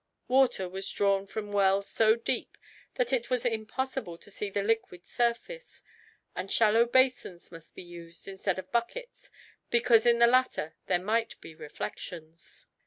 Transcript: Water was drawn from wells so deep that it was impossible to see the liquid surface, and shallow basins must be used instead of buckets, because in the latter there might be reflections.